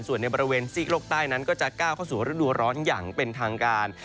ส่วนในบริเวณซีกโลกใต้นั้นก็จะก้าวเข้าสู่ฤดูร้อนอย่างเป็นทางการ